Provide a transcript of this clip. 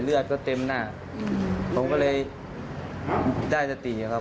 เลือดก็เต็มหน้าผมก็เลยได้สติครับ